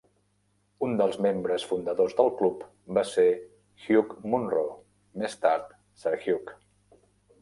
Un dels membres fundadors del club va ser Hugh Munro, més tard Sir Hugh.